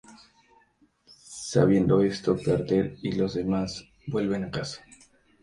Sabiendo esto, Carter y los demás vuelven a casa.